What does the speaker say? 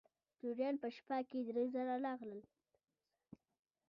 توریان په شپه کې درې ځله راغلل.